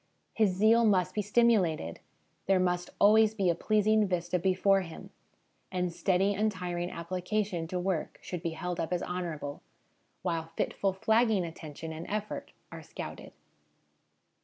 His zeal must be stimulated ; there must always be a pleasing vista before him ; and steady, untiring application to work should be held up as honourable, while fitful, flagging attention and effort are scouted.